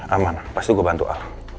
aman pasti gue bantu a